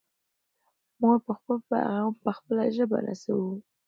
موږ به خپل پیغام په خپله ژبه رسوو.